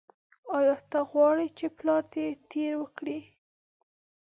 ایا ته غواړې چې پلار دې تیری وکړي.